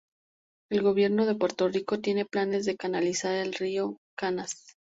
El gobierno de Puerto Rico tiene planes de canalizar el Río Canas.